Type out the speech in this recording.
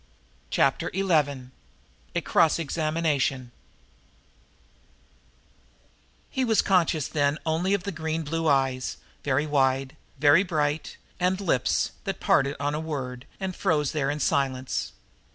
Chapter Eleven A Cross Examination He was conscious then only of green blue eyes, very wide, very bright, and lips that parted on a word and froze there in silence.